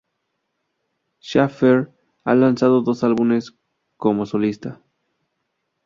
Shaffer ha lanzado dos álbumes como solista.